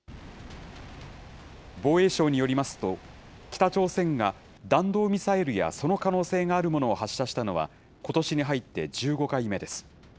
防衛省によりますと、北朝鮮が弾道ミサイルやその可能性があるものを発射したのは、ことしに入って１５回目です。